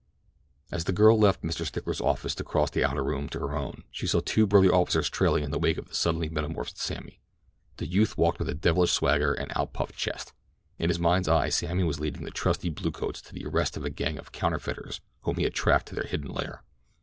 As the girl left Mr. Stickler's office to cross the outer room to her own she saw two burly officers trailing in the wake of a suddenly metamorphosed Sammy. The youth walked with devilish swagger and outpuffed chest. In his mind's eye Sammy was leading his trusty bluecoats to the arrest of a gang of counterfeiters whom he had tracked to their hidden lair.